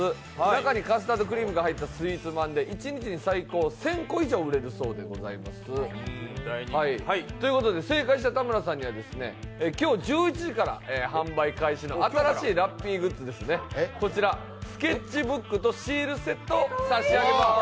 中にカスタードクリームが入ったスイーツまんで１日で最高１０００個を売り上げたそうです。ということで正解した田村さんには今日１１時から販売開始の新しいラッピーグッズ、こちら、スケッチブックとシールセットを差し上げます。